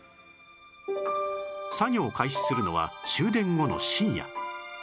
作業を開始するのは終電後の深夜